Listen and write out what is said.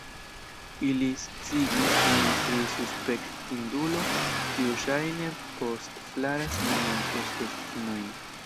Ili sciigis min pri suspektindulo, kiu ŝajne postflaras niajn postesignojn.